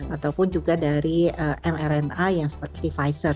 ataupun juga dari mrna yang seperti pfizer